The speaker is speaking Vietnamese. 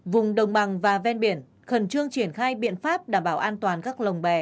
vùng đồng bằng và ven biển khẩn trương triển khai biện pháp đảm bảo an toàn các lồng bè